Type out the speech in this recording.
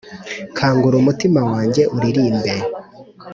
kangura umutima wanjye uririmbe